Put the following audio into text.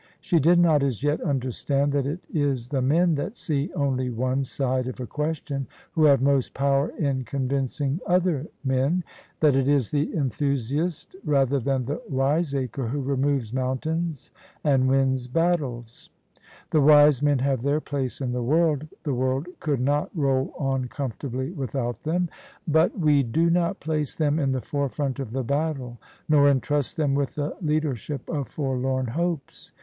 She did not as yet understand that it is the men that see only one side of a question who have most power in convincing other men — that it is the enthu siast rather than the wiseacre who removes mountains and wins battles. The wise men have their place in the world — the world cpuld not roll on comfortably without them: but THE SUBJECTION we do not place them in the forefront of the battle, nor entrust them with the leadership of forlorn hopes.